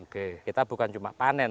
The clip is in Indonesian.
kita bukan cuma panen